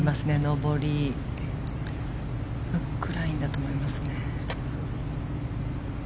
上りフックラインだと思いますね。